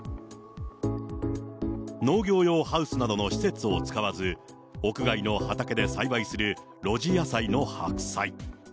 農業用ハウスなどの施設を使わず、屋外の畑で栽培する露地野菜の白菜。